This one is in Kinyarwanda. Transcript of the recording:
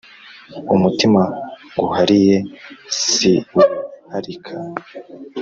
Umutima nguhariye siwuharika